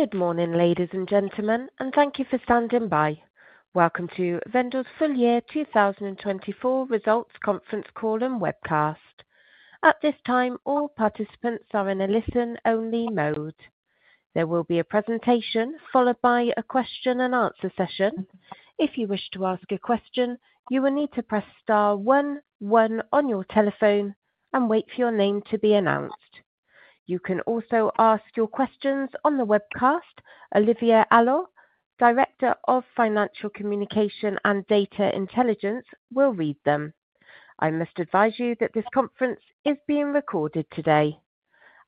Good morning, ladies and gentlemen, and thank you for standing by. Welcome to Wendel's full year 2024 results conference call and webcast. At this time, all participants are in a listen-only mode. There will be a presentation followed by a question-and-answer session. If you wish to ask a question, you will need to press star 11 on your telephone and wait for your name to be announced. You can also ask your questions on the webcast. Olivier Allot, Director of Financial Communication and Data Intelligence, will read them. I must advise you that this conference is being recorded today.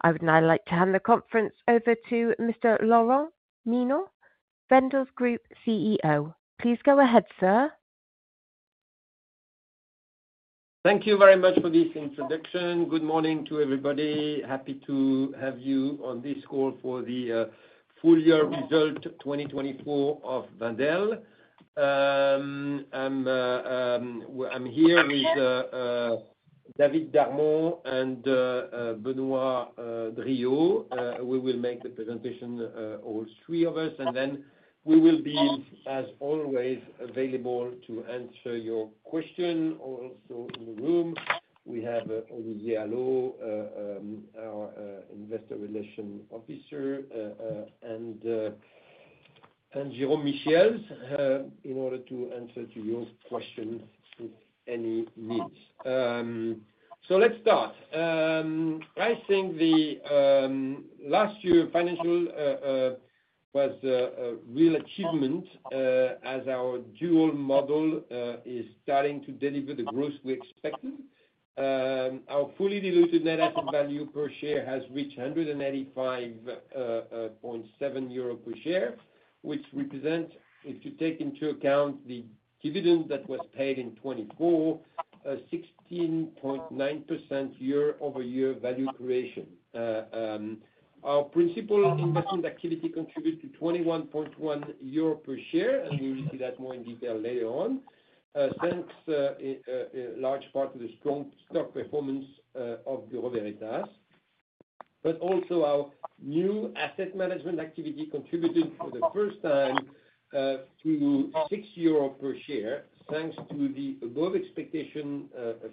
I would now like to hand the conference over to Mr. Laurent Mignon, Wendel's Group CEO. Please go ahead, sir. Thank you very much for this introduction. Good morning to everybody. Happy to have you on this call for the full year result 2024 of Wendel. I'm here with David Darmon and Benoît Drillaud. We will make the presentation, all three of us, and then we will be, as always, available to answer your questions. Also, in the room, we have Olivier Allot, our investor relations officer, and Jérôme Michiels in order to answer your questions if any needs. So let's start. I think last year's financial result was a real achievement as our dual model is starting to deliver the growth we expected. Our fully diluted net asset value per share has reached 185.7 euro per share, which represents, if you take into account the dividend that was paid in 2024, a 16.9% year-over-year value creation. Our principal investment activity contributed to 21.1 euro per share, and we'll see that more in detail later on, thanks to a large part of the strong stock performance of Bureau Veritas, but also our new asset management activity contributed for the first time to 6 euro per share, thanks to the above-expectation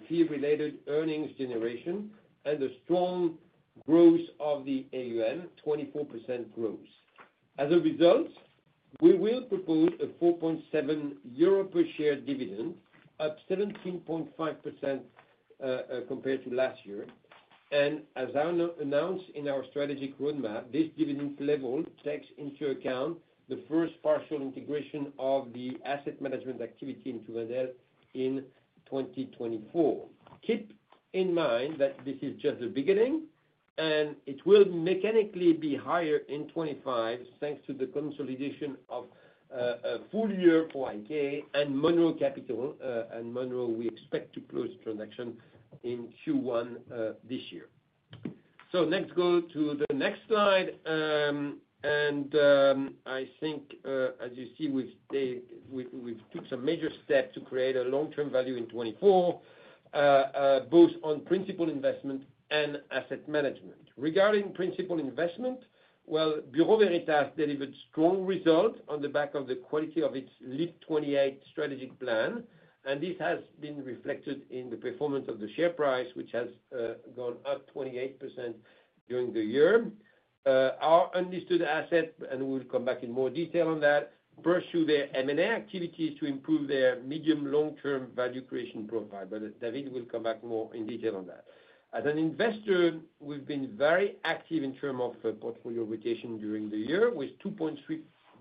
fee-related earnings generation and the strong growth of the AUM, 24% growth. As a result, we will propose a 4.7 euro per share dividend, up 17.5% compared to last year, and as announced in our strategic roadmap, this dividend level takes into account the first partial integration of the asset management activity into Wendel in 2024. Keep in mind that this is just the beginning, and it will mechanically be higher in 2025 thanks to the consolidation of full year for IK and Monroe Capital, and Monroe, we expect to close the transaction in Q1 this year. Let's go to the next slide. I think, as you see, we've taken some major steps to create a long-term value in 2024, both on principal investment and asset management. Regarding principal investment, well, Bureau Veritas delivered strong results on the back of the quality of its LEAP 28 strategic plan, and this has been reflected in the performance of the share price, which has gone up 28% during the year. Our unlisted assets, and we'll come back in more detail on that, pursue their M&A activities to improve their medium-long-term value creation profile. But David will come back more in detail on that. As an investor, we've been very active in terms of portfolio rotation during the year, with 2.3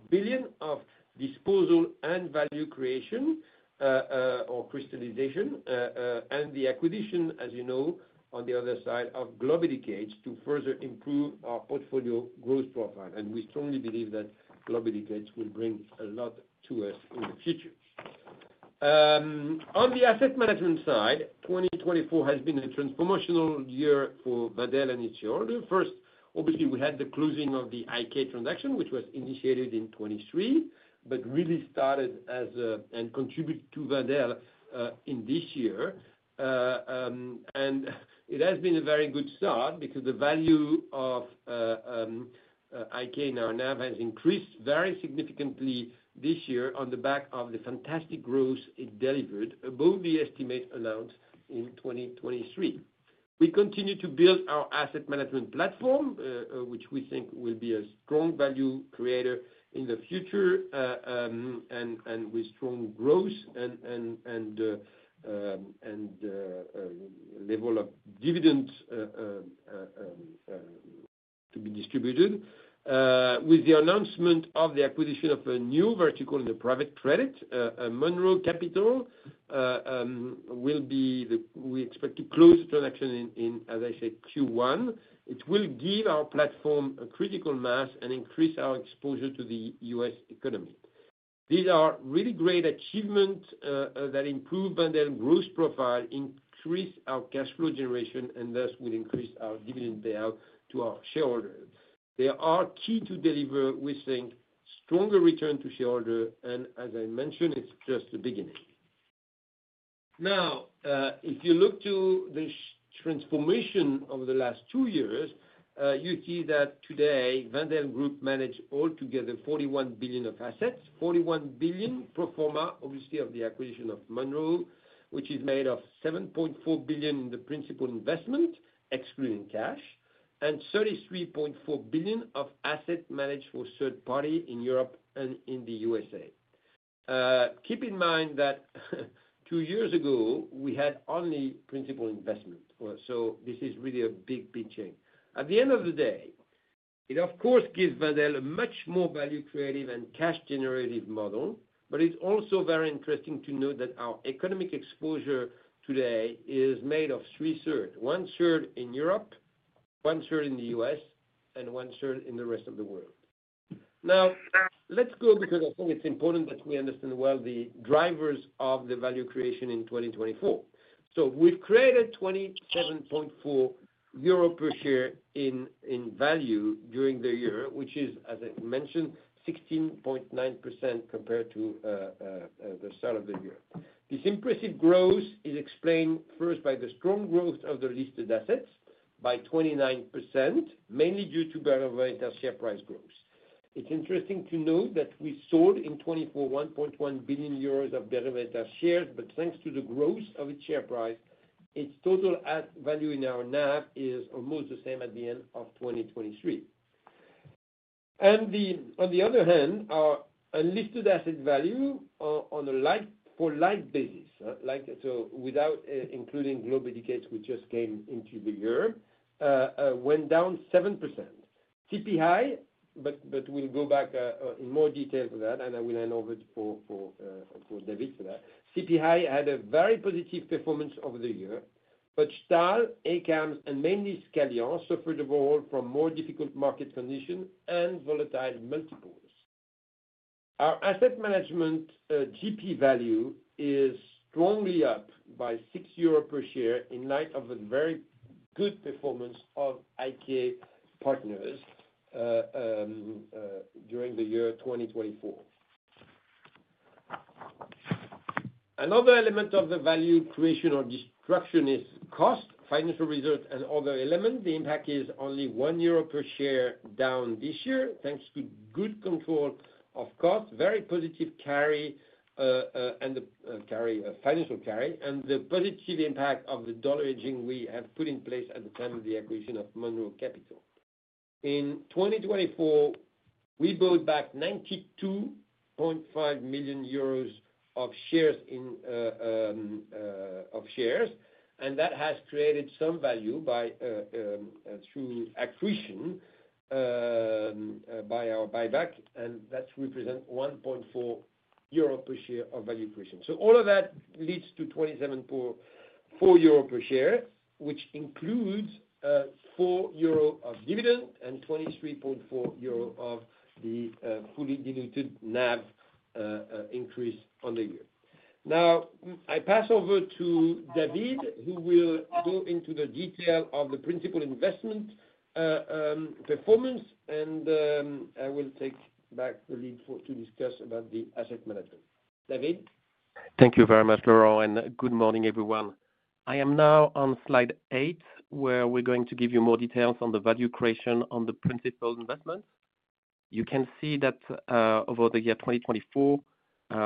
billion of disposal and value creation or crystallization, and the acquisition, as you know, on the other side of Globeducate to further improve our portfolio growth profile. We strongly believe that Globeducate will bring a lot to us in the future. On the asset management side, 2024 has been a transformational year for Wendel and its shareholders. First, obviously, we had the closing of the IK transaction, which was initiated in 2023, but really started as and contributed to Wendel in this year. It has been a very good start because the value of IK now has increased very significantly this year on the back of the fantastic growth it delivered above the estimated amount in 2023. We continue to build our asset management platform, which we think will be a strong value creator in the future and with strong growth and level of dividends to be distributed. With the announcement of the acquisition of a new vertical in the private credit, Monroe Capital, which we expect to close the transaction in, as I said, Q1. It will give our platform a critical mass and increase our exposure to the U.S. economy. These are really great achievements that improve Wendel's growth profile, increase our cash flow generation, and thus will increase our dividend payout to our shareholders. They are key to deliver, we think, stronger returns to shareholders. As I mentioned, it's just the beginning. Now, if you look to the transformation over the last two years, you see that today, Wendel Group manages altogether 41 billion of assets, 41 billion pro forma, obviously, of the acquisition of Monroe, which is made of 7.4 billion in the principal investment, excluding cash, and 33.4 billion of assets managed for third parties in Europe and in the USA. Keep in mind that two years ago, we had only principal investment. So this is really a big, big change. At the end of the day, it, of course, gives Wendel a much more value-creative and cash-generative model, but it's also very interesting to note that our economic exposure today is made of three thirds: one third in Europe, one third in the US, and one third in the rest of the world. Now, let's go because I think it's important that we understand well the drivers of the value creation in 2024, so we've created 27.4 euro per share in value during the year, which is, as I mentioned, 16.9% compared to the start of the year. This impressive growth is explained first by the strong growth of the listed assets by 29%, mainly due to Bureau Veritas share price growth. It's interesting to note that we sold in 2024 1.1 billion euros of Bureau Veritas shares, but thanks to the growth of its share price, its total value in our NAV is almost the same at the end of 2023, and on the other hand, our unlisted asset value on a like-for-like basis, so without including Globeducate, which just came into the year, went down 7%. CPI, but we'll go back in more detail to that, and I will hand over to David for that. CPI had a very positive performance over the year, but Stahl, ACAMS, and mainly Scalian suffered overall from more difficult market conditions and volatile multiples. Our Asset Management GP value is strongly up by 6 euros per share in light of the very good performance of IK Partners during the year 2024. Another element of the value creation or destruction is cost, financial results, and other elements. The impact is only 1 euro per share down this year, thanks to good control of cost, very positive carry and the financial carry, and the positive impact of the dollar hedging we have put in place at the time of the acquisition of Monroe Capital. In 2024, we bought back 92.5 million euros of shares, and that has created some value through accretion by our buyback, and that represents 1.4 euro per share of value creation. So all of that leads to 27.4 euro per share, which includes 4 euro of dividend and 23.4 euro of the fully diluted NAV increase on the year. Now, I pass over to David, who will go into the detail of the principal investment performance, and I will take back the lead to discuss about the asset management. David. Thank you very much for all, and good morning, everyone. I am now on Slide 8, where we're going to give you more details on the value creation on the principal investment. You can see that over the year 2024,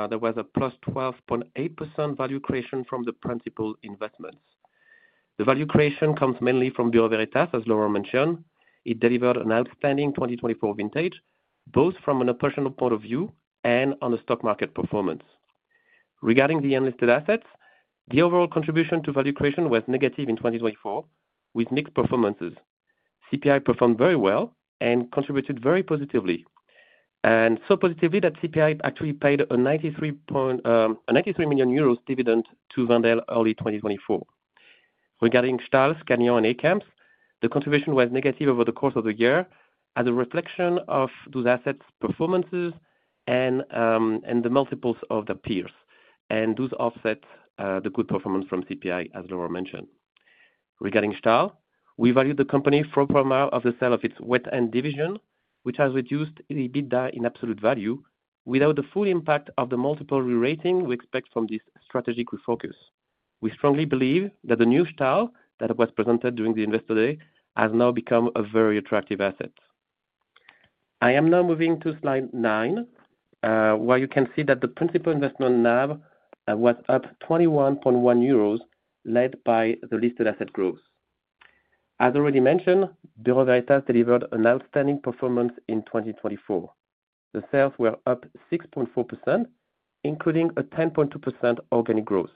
there was a plus 12.8% value creation from the principal investment. The value creation comes mainly from Bureau Veritas, as Laurent mentioned. It delivered an outstanding 2024 intake, both from an operational point of view and on the stock market performance. Regarding the unlisted assets, the overall contribution to value creation was negative in 2024, with mixed performances. CPI performed very well and contributed very positively. And so positively that CPI actually paid a 93 million euros dividend to Wendel early 2024. Regarding Stahl, Scalian, and ACAMS the contribution was negative over the course of the year, as a reflection of those assets' performances and the multiples of their peers. And those offset the good performance from CPI, as Laurent mentioned. Regarding Stahl, we value the company from a point of view of the sale of its weight and division, which has reduced in absolute value, without the full impact of the multiple re-ratings we expect from this strategic refocus. We strongly believe that the new Stahl that was presented during the investor day has now become a very attractive asset. I am now moving to slide 9, where you can see that the principal investment NAB was up 21.1 euros, led by the listed asset growth. As already mentioned, Bureau Veritas delivered an outstanding performance in 2024. The sales were up 6.4%, including a 10.2% organic growth.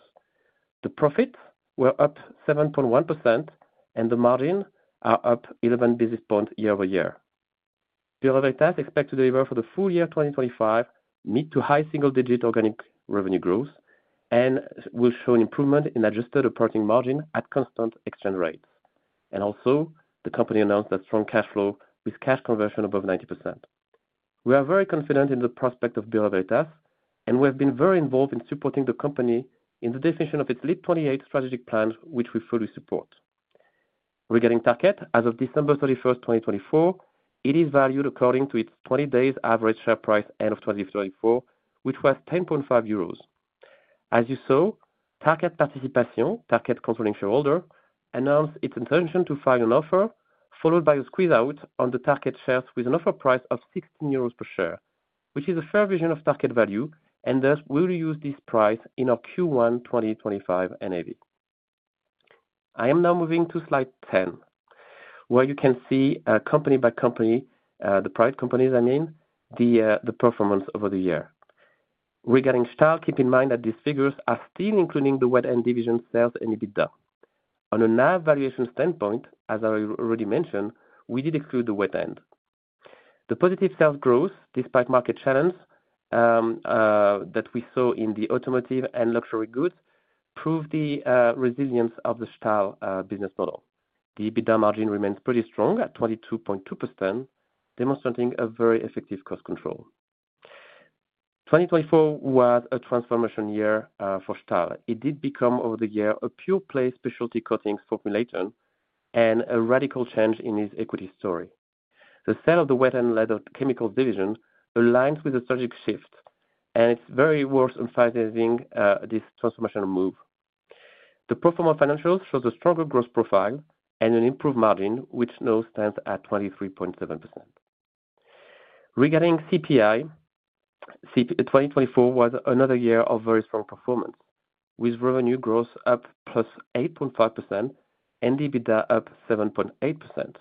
The profits were up 7.1%, and the margins are up 11 business points year over year. Bureau Veritas expects to deliver for the full year 2025 mid to high single-digit organic revenue growth and will show an improvement in adjusted operating margin at constant exchange rates. Also, the company announced a strong cash flow with cash conversion above 90%. We are very confident in the prospect of Bureau Veritas, and we have been very involved in supporting the company in the definition of its LEAP | 28 strategic plan, which we fully support. Regarding Tarkett, as of December 31st, 2024, it is valued according to its 20-day average share price end of 2024, which was 10.5 euros. As you saw, Tarkett Participation, Tarkett controlling shareholder, announced its intention to file an offer, followed by a squeeze-out on the Tarkett shares with an offer price of 16 euros per share, which is a fair valuation of Tarkett value, and thus will use this price in our Q1 2025 NAV. I am now moving to slide 10, where you can see company by company, the private companies, I mean, the performance over the year. Regarding Stahl, keep in mind that these figures are still including the wet-end division sales and EBITDA. On a NAV valuation standpoint, as I already mentioned, we did exclude the wet-end. The positive sales growth, despite market challenges that we saw in the automotive and luxury goods, proved the resilience of the Stahl business model. The EBITDA margin remains pretty strong at 22.2%, demonstrating a very effective cost control. 2024 was a transformation year for Stahl. It did become over the year a pure-play specialty coating formulation and a radical change in its equity story. The sale of the wet-end leather chemicals division aligns with the strategic shift, and it's very worth emphasizing this transformational move. The pro forma financials show the stronger growth profile and an improved margin, which now stands at 23.7%. Regarding CPI, 2024 was another year of very strong performance, with revenue growth up plus 8.5% and EBITDA up 7.8%.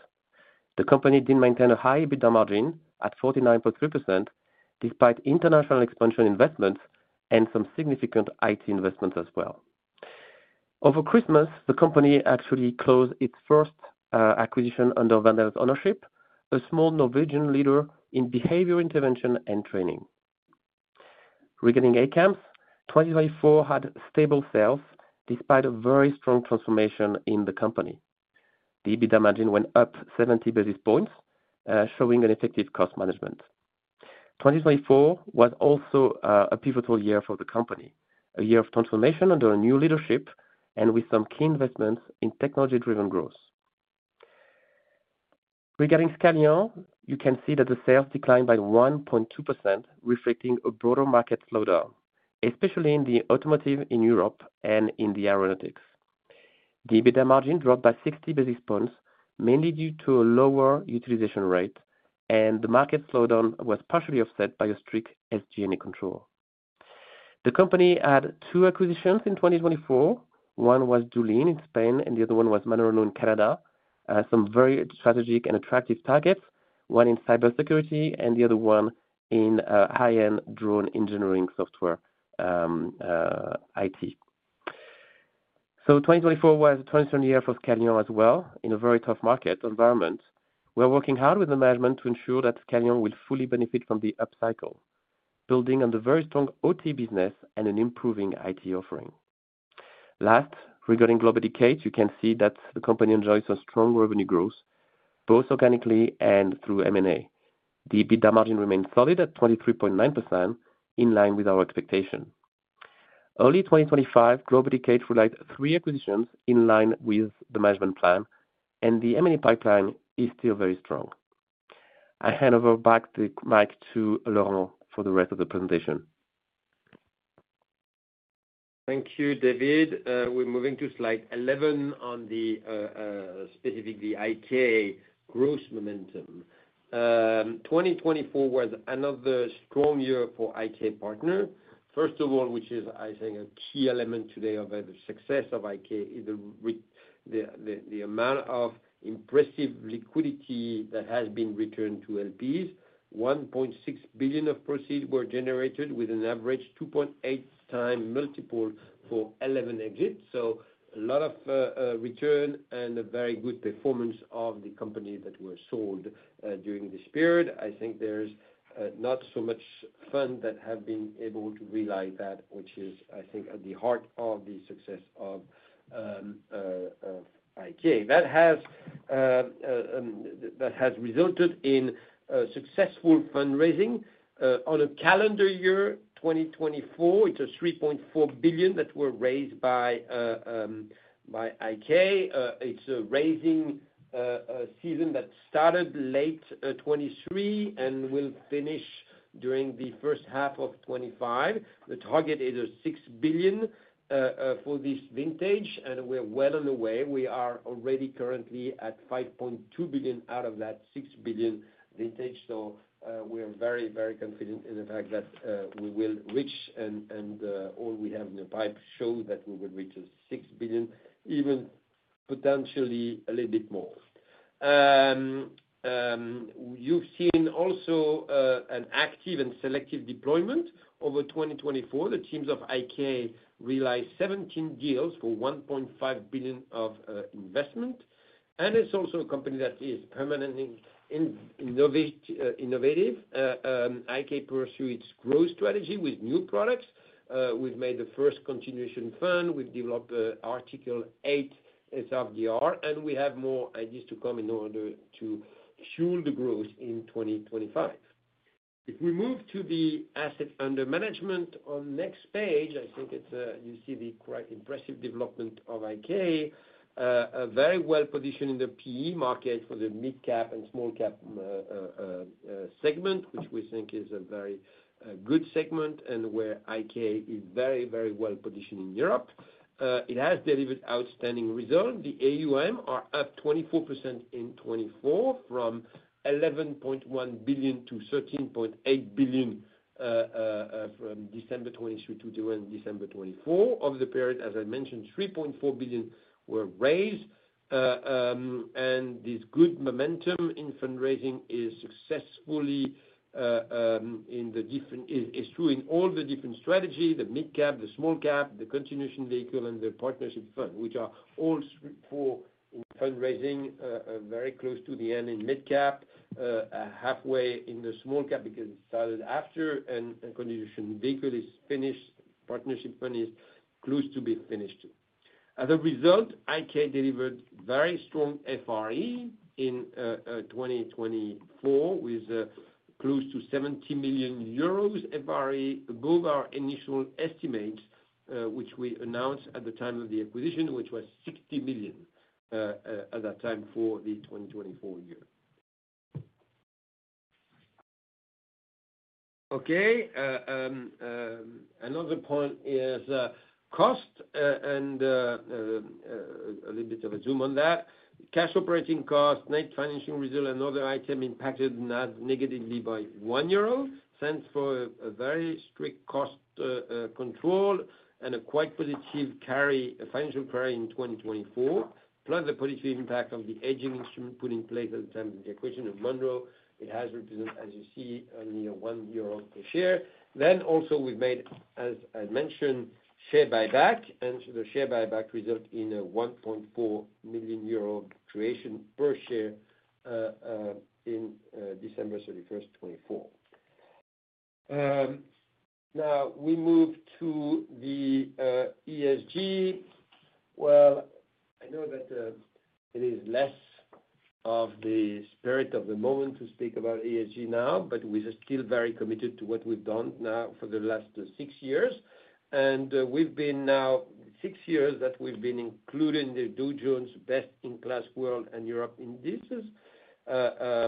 The company did maintain a high EBITDA margin at 49.3%, despite international expansion investments and some significant IT investments as well. Over Christmas, the company actually closed its first acquisition under Wendel's ownership, a small Norwegian leader in behavior intervention and training. Regarding ACAMS, 2024 had stable sales despite a very strong transformation in the company. The EBITDA margin went up 70 basis points, showing an effective cost management. 2024 was also a pivotal year for the company, a year of transformation under a new leadership and with some key investments in technology-driven growth. Regarding Scalian, you can see that the sales declined by 1.2%, reflecting a broader market slowdown, especially in the automotive in Europe and in the aeronautics. The EBITDA margin dropped by 60 basis points, mainly due to a lower utilization rate, and the market slowdown was partially offset by a strict SG&A control. The company had two acquisitions in 2024. One was Dulin in Spain, and the other one was Mannarino Systems & Software in Canada. Some very strategic and attractive targets, one in cybersecurity and the other one in high-end drone engineering software IT. So 2024 was a transformative year for Scalian as well in a very tough market environment. We're working hard with the management to ensure that Scalian will fully benefit from the upcycle, building on the very strong OT business and an improving IT offering. Last, regarding Globeducate, you can see that the company enjoys a strong revenue growth, both organically and through M&A. The EBITDA margin remained solid at 23.9%, in line with our expectation. Early 2025, Globeducate relied on three acquisitions in line with the management plan, and the M&A pipeline is still very strong. I hand over back the mic to Laurent for the rest of the presentation. Thank you, David. We're moving to slide 11 on the specifically IK growth momentum. 2024 was another strong year for IK Partners. First of all, which is, I think, a key element today of the success of IK, is the amount of impressive liquidity that has been returned to LPs. 1.6 billion of proceeds were generated with an average 2.8 time multiple for 11 exits. So a lot of return and a very good performance of the company that were sold during this period. I think there's not so much funds that have been able to realize that, which is, I think, at the heart of the success of IK. That has resulted in successful fundraising. On a calendar year, 2024, it's 3.4 billion that were raised by IK. It's a raising season that started late 2023 and will finish during the first half of 2025. The target is 6 billion for this vintage, and we're well on the way. We are already currently at 5.2 billion out of that 6 billion vintage. So we're very, very confident in the fact that we will reach, and all we have in the pipe shows that we will reach 6 billion, even potentially a little bit more. You've seen also an active and selective deployment over 2024. The teams of IK realized 17 deals for 1.5 billion of investment, and it's also a company that is permanently innovative. IK pursues its growth strategy with new products. We've made the first continuation fund. We've developed Article 8 SFDR, and we have more ideas to come in order to fuel the growth in 2025. If we move to the assets under management on the next page, I think you see quite the impressive development of IK, a very well-positioned in the PE market for the mid-cap and small-cap segment, which we think is a very good segment and where IK is very, very well-positioned in Europe. It has delivered outstanding results. The AUM are up 24% in 2024 from 11.1 billion to 13.8 billion from December 2023 to December 2024. Over the period, as I mentioned, 3.4 billion were raised. And this good momentum in fundraising is successfully in the different is true in all the different strategies, the mid-cap, the small-cap, the continuation vehicle, and the partnership fund, which are all for fundraising very close to the end in mid-cap, halfway in the small-cap because it started after, and the continuation vehicle is finished. Partnership fund is close to being finished. As a result, IK delivered very strong FRE in 2024 with close to 70 million euros FRE above our initial estimates, which we announced at the time of the acquisition, which was 60 million at that time for the 2024 year. Okay. Another point is cost and a little bit of a zoom on that. Cash operating cost, net financing result, and other items impacted negatively by 0.01 euro for a very strict cost control and a quite positive carry financial carry in 2024, plus the positive impact of the exchangeable instrument put in place at the time of the acquisition of Monroe. It has represented, as you see, nearly 1 euro per share. Then also, we've made, as I mentioned, share buyback, and the share buyback resulted in a 1.4 million euro accretion per share in December 31st, 2024. Now, we move to the ESG. I know that it is less of the spirit of the moment to speak about ESG now, but we are still very committed to what we've done now for the last six years. We've been now six years that we've been included in the Dow Jones Best in Class World and Europe Indices. We're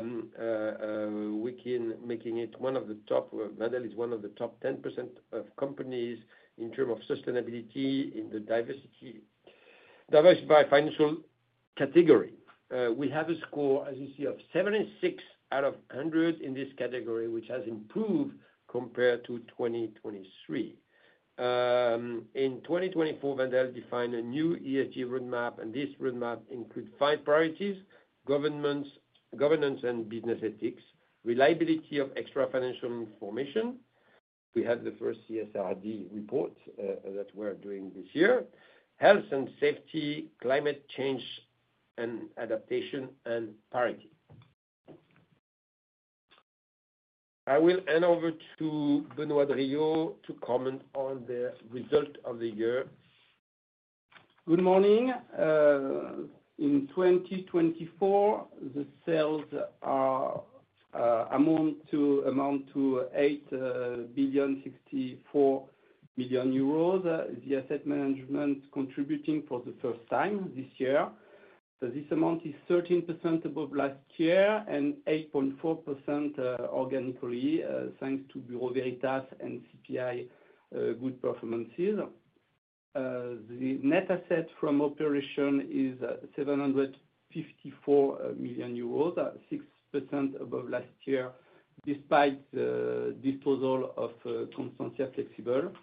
making it one of the top. Wendel is one of the top 10% of companies in terms of sustainability in the diversified financial category. We have a score, as you see, of 76 out of 100 in this category, which has improved compared to 2023. In 2024, Wendel defined a new ESG roadmap, and this roadmap includes five priorities: governance and business ethics, reliability of extra-financial information. We have the first CSRD report that we're doing this year, health and safety, climate change and adaptation, and parity. I will hand over to Benoît Drillaud to comment on the result of the year. Good morning. In 2024, the sales amount to 8 billion, 64 million euros. The asset management contributing for the first time this year. This amount is 13% above last year and 8.4% organically, thanks to Bureau Veritas and CPI good performances. The net asset from operation is 754 million euros, 6% above last year, despite the disposal of Constantia Flexibles.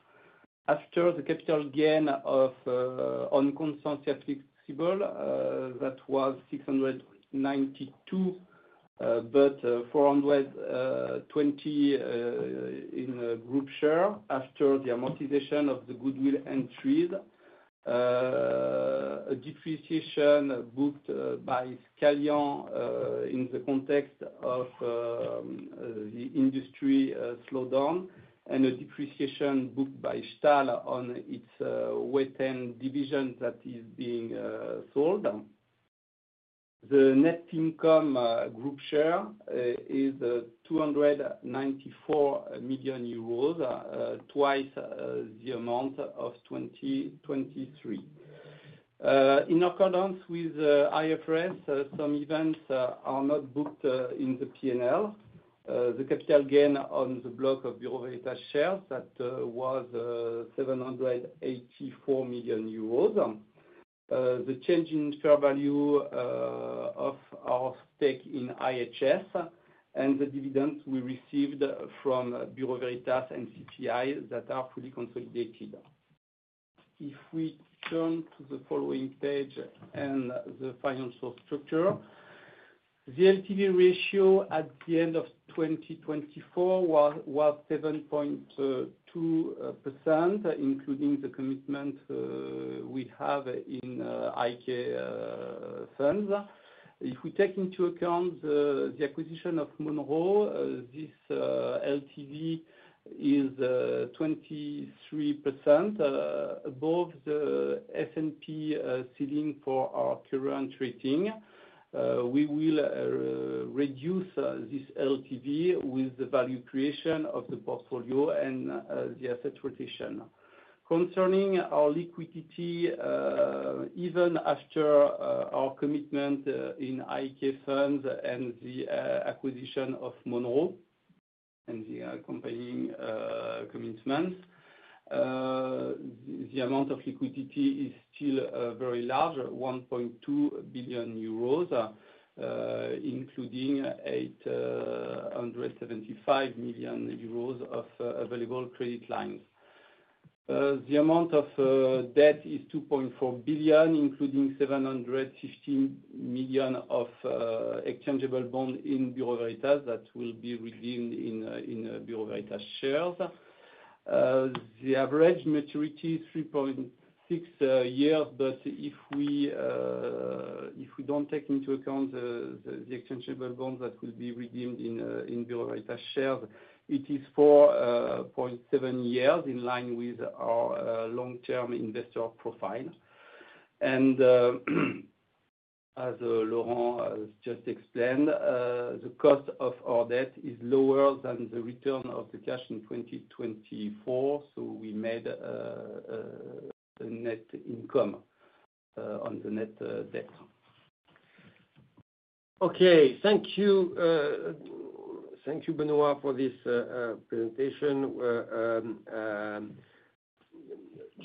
After the capital gain on Constantia Flexibles, that was 692, but 420 in group share after the amortization of the goodwill entries. A depreciation booked by Scalian in the context of the industry slowdown and a depreciation booked by Stahl on its wet-end division that is being sold. The net income group share is 294 million euros, twice the amount of 2023. In accordance with IFRS, some events are not booked in the P&L. The capital gain on the block of Bureau Veritas shares that was 784 million euros. The change in fair value of our stake in IHS and the dividends we received from Bureau Veritas and CPI that are fully consolidated. If we turn to the following page and the financial structure, the LTV ratio at the end of 2024 was 7.2%, including the commitment we have in IK funds. If we take into account the acquisition of Monroe, this LTV is 23% above the S&P ceiling for our current rating. We will reduce this LTV with the value creation of the portfolio and the asset rotation. Concerning our liquidity, even after our commitment in IK funds and the acquisition of Monroe and the accompanying commitments, the amount of liquidity is still very large, 1.2 billion euros, including 875 million euros of available credit lines. The amount of debt is 2.4 billion, including 750 million of exchangeable bonds in Bureau Veritas that will be redeemed in Bureau Veritas shares. The average maturity is 3.6 years, but if we don't take into account the exchangeable bonds that will be redeemed in Bureau Veritas shares, it is 4.7 years in line with our long-term investor profile. And as Laurent just explained, the cost of our debt is lower than the return of the cash in 2024, so we made a net income on the net debt. Okay. Thank you. Thank you, Benoît, for this presentation.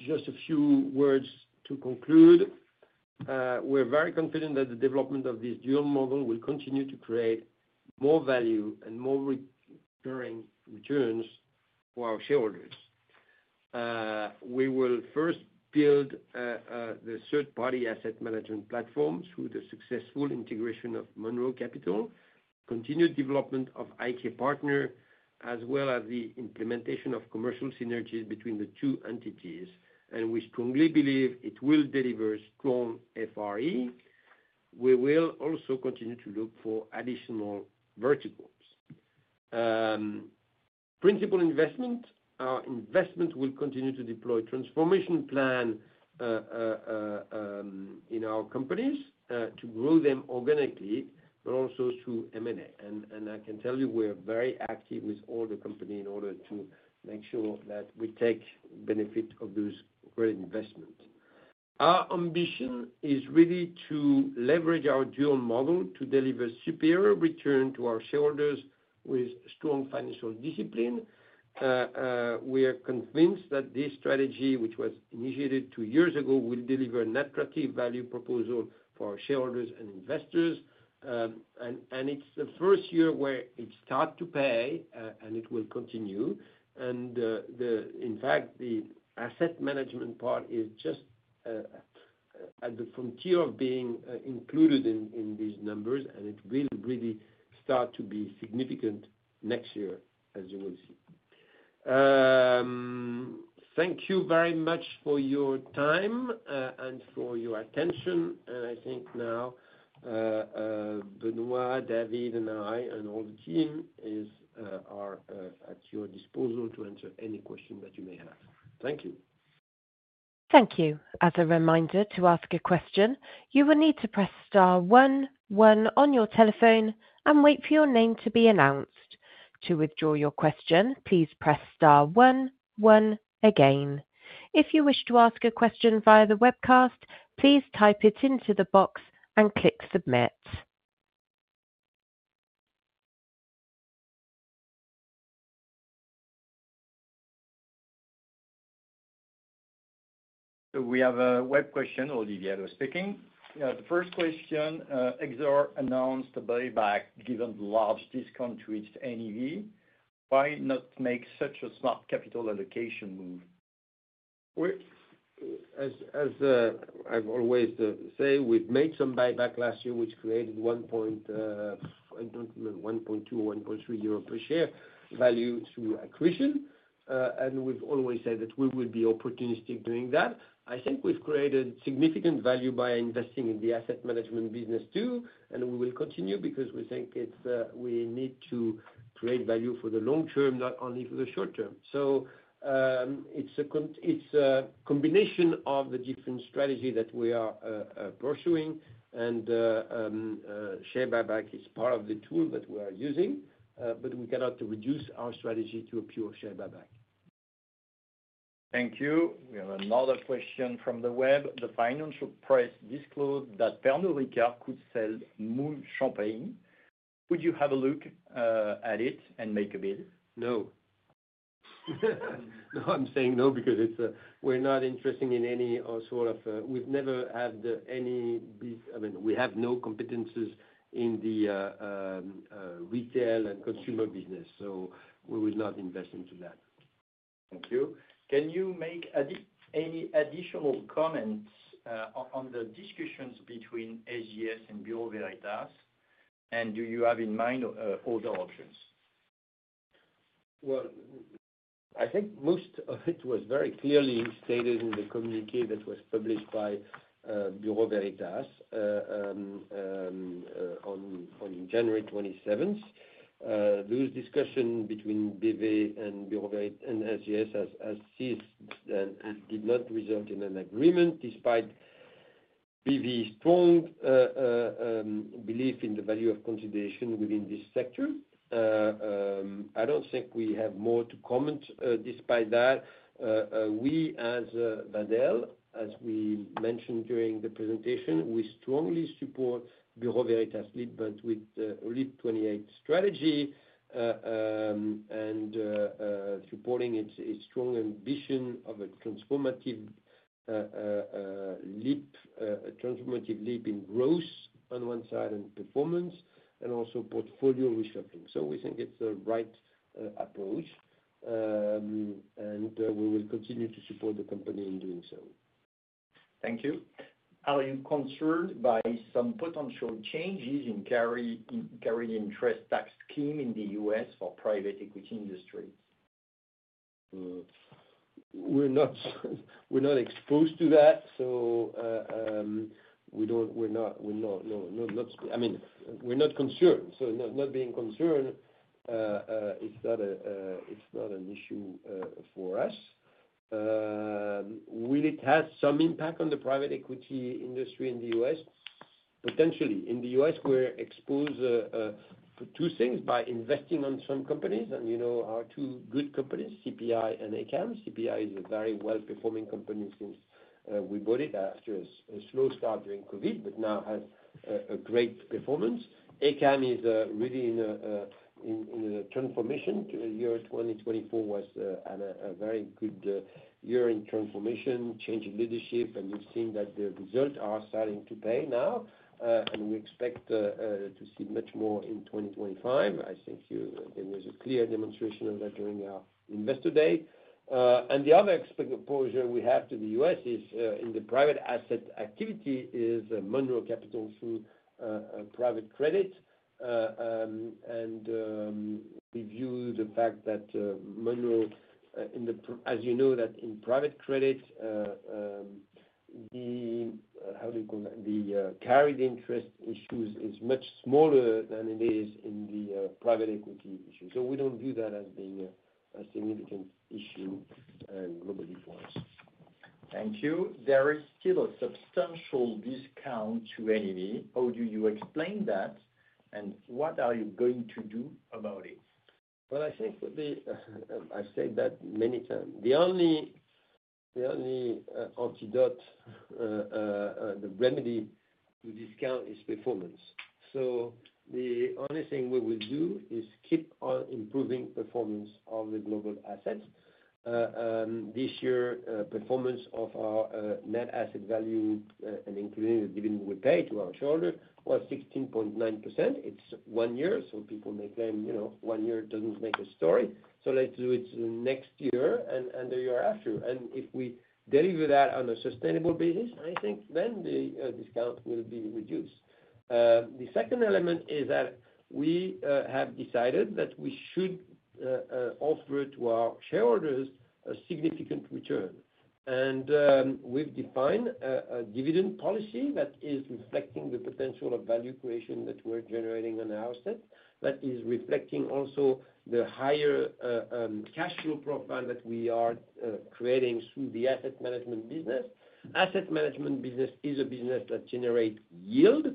Just a few words to conclude. We're very confident that the development of this dual model will continue to create more value and more recurring returns for our shareholders. We will first build the third-party asset management platform through the successful integration of Monroe Capital, continued development of IK Partners, as well as the implementation of commercial synergies between the two entities. We strongly believe it will deliver strong FRE. We will also continue to look for additional verticals. In principal investment, our investments will continue to deploy transformation plans in our companies to grow them organically, but also through M&A. I can tell you we're very active with all the companies in order to make sure that we take the benefit of those great investments. Our ambition is really to leverage our dual model to deliver superior returns to our shareholders with strong financial discipline. We are convinced that this strategy, which was initiated two years ago, will deliver an attractive value proposition for our shareholders and investors. It's the first year where it starts to pay, and it will continue. In fact, the asset management part is just at the frontier of being included in these numbers, and it will really start to be significant next year, as you will see. Thank you very much for your time and for your attention. I think now, Benoît, David, and I, and all the team are at your disposal to answer any questions that you may have. Thank you. Thank you. As a reminder to ask a question, you will need to press star one, one on your telephone and wait for your name to be announced. To withdraw your question, please press star one, one again. If you wish to ask a question via the webcast, please type it into the box and click submit. So we have a web question. Olivier Lecoq, the first question. Exor announced a buyback given the large discount to its NAV. Why not make such a smart capital allocation move? As I've always said, we've made some buyback last year, which created 1.2 or 1.3 euro per share value through acquisition. And we've always said that we will be opportunistic doing that. I think we've created significant value by investing in the asset management business too, and we will continue because we think we need to create value for the long term, not only for the short term. So it's a combination of the different strategies that we are pursuing, and share buyback is part of the tool that we are using, but we cannot reduce our strategy to a pure share buyback. Thank you. We have another question from the web. The financial press disclosed that Pernod Ricard could sell Moët & Chandon. Would you have a look at it and make a bid? No. No, I'm saying no because we're not interested in any sort of. We've never had any business. I mean, we have no competencies in the retail and consumer business, so we would not invest into that. Thank you. Can you make any additional comments on the discussions between SGS and Bureau Veritas, and do you have in mind other options? I think most of it was very clearly stated in the communiqué that was published by Bureau Veritas on January 27th. Those discussions between BV and SGS have ceased did not result in an agreement despite BV's strong belief in the value of consolidation within this sector. I don't think we have more to comment despite that. We, as Wendel, as we mentioned during the presentation, we strongly support Bureau Veritas' LEAP, but with the LEAP 28 strategy and supporting its strong ambition of a transformative leap in growth on one side and performance and also portfolio reshuffling. So we think it's the right approach, and we will continue to support the company in doing so. Thank you. Are you concerned by some potential changes in carried interest tax scheme in the U.S. for private equity industries? We're not exposed to that, so we're not, I mean, we're not concerned. So not being concerned is not an issue for us. Will it have some impact on the private equity industry in the US? Potentially. In the US, we're exposed to two things by investing on some companies, and our two good companies, CPI and ACAMS. CPI is a very well-performing company since we bought it after a slow start during COVID, but now has a great performance. ACAMS is really in a transformation. The year 2024 was a very good year in transformation, changing leadership, and we've seen that the results are starting to pay now, and we expect to see much more in 2025. I think there was a clear demonstration of that during our investor day. And the other exposure we have to the U.S. is in the private asset activity is Monroe Capital through private credit. And we view the fact that Monroe, as you know, that in private credit, the carried interest issues is much smaller than it is in the private equity issues. So we don't view that as being a significant issue globally for us. Thank you. There is still a substantial discount to NAV. How do you explain that, and what are you going to do about it? I think I've said that many times. The only antidote, the remedy to discount is performance. The only thing we will do is keep on improving performance of the global assets. This year, performance of our net asset value and including the dividend we pay to our shareholders was 16.9%. It's one year, so people may claim one year doesn't make a story. Let's do it next year and the year after. If we deliver that on a sustainable basis, I think then the discount will be reduced. The second element is that we have decided that we should offer to our shareholders a significant return. We've defined a dividend policy that is reflecting the potential of value creation that we're generating on our assets, that is reflecting also the higher cash flow profile that we are creating through the asset management business. Asset management business is a business that generates yield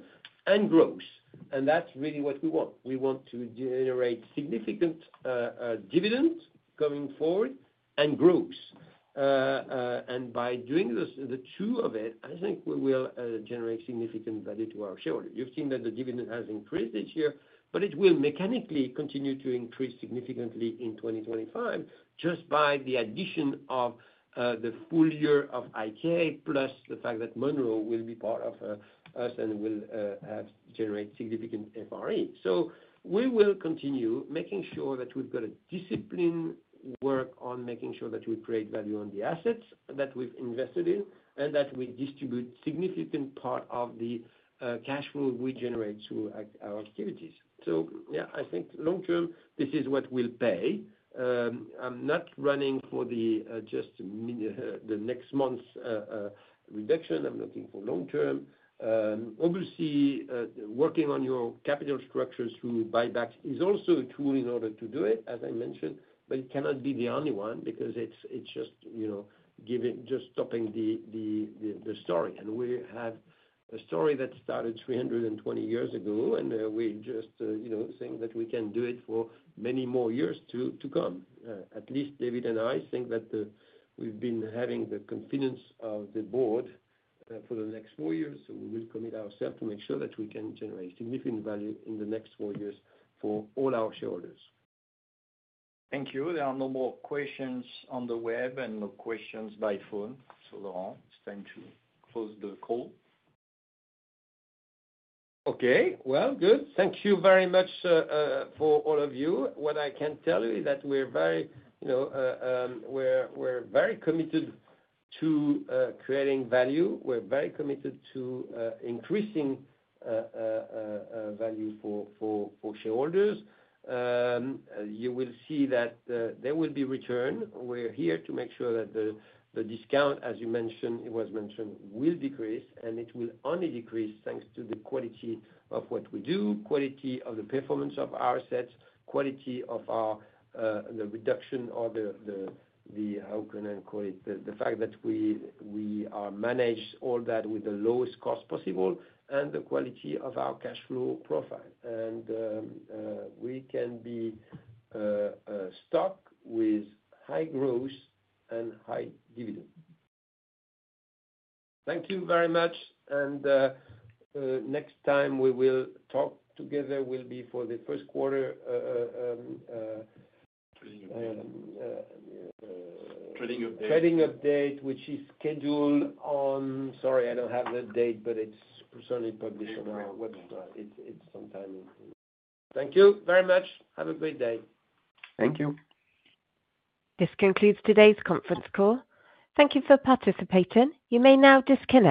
and growth, and that's really what we want. We want to generate significant dividends coming forward and growth, and by doing the two of it, I think we will generate significant value to our shareholders. You've seen that the dividend has increased this year, but it will mechanically continue to increase significantly in 2025 just by the addition of the full year of IK plus the fact that Monroe will be part of us and will generate significant FRE, so we will continue making sure that we've got a disciplined work on making sure that we create value on the assets that we've invested in and that we distribute a significant part of the cash flow we generate through our activities, so yeah, I think long-term, this is what we'll pay. I'm not running for just the next month's reduction. I'm looking for long-term. Obviously, working on your capital structures through buybacks is also a tool in order to do it, as I mentioned, but it cannot be the only one because it's just stopping the story, and we have a story that started 320 years ago, and we just think that we can do it for many more years to come. At least David and I think that we've been having the confidence of the board for the next four years, so we will commit ourselves to make sure that we can generate significant value in the next four years for all our shareholders. Thank you. There are no more questions on the web and no questions by phone. So Laurent, it's time to close the call. Okay. Well, good. Thank you very much for all of you. What I can tell you is that we're very committed to creating value. We're very committed to increasing value for shareholders. You will see that there will be return. We're here to make sure that the discount, as you mentioned, it was mentioned, will decrease, and it will only decrease thanks to the quality of what we do, quality of the performance of our assets, quality of the reduction of the, how can I call it, the fact that we are managed all that with the lowest cost possible and the quality of our cash flow profile. And we can be stuck with high growth and high dividend. Thank you very much. Next time we will talk together will be for the first quarter. Trading update. Trading update, which is scheduled on. Sorry, I don't have the date, but it's certainly published on our website. It's sometime. Thank you very much. Have a great day. Thank you. This concludes today's conference call. Thank you for participating. You may now disconnect.